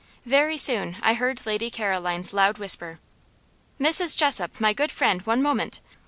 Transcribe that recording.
Very soon I heard Lady Caroline's loud whisper; "Mrs. Jessop, my good friend, one moment.